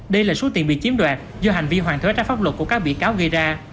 đây là số tiền bị chiếm đoạt do hành vi hoàn thuế trái pháp luật của các bị cáo gây ra